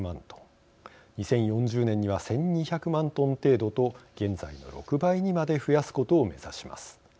２０４０年には１，２００万トン程度と現在の６倍にまで増やすことを目指します。